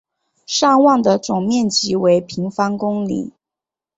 尚旺的总面积为平方公里。